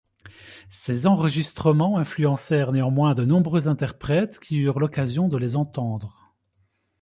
Ces enregistrements influencèrent néanmoins de nombreux interprètes qui eurent l'occasion de les entendre.